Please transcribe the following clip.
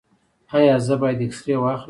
ایا زه باید اکسرې واخلم؟